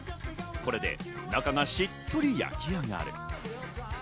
これで中がしっとり焼き上がる。